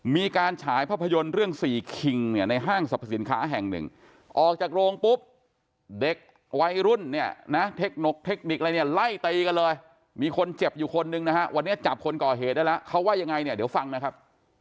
มีการฉายภาพยนตร์เรื่องสี่คิงเนี่ยในห้างสรรพสินค้าแห่งหนึ่งออกจากโรงปุ๊บเด็กวัยรุ่นเนี่ยนะเทคนกเทคนิคอะไรเนี่ยไล่ตีกันเลยมีคนเจ็บอยู่คนนึงนะฮะวันนี้จับคนก่อเหตุได้แล้วเขาว่ายังไงเนี่ยเดี๋ยวฟังนะครับ